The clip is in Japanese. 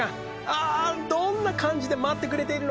どんな感じで待ってくれているのかな？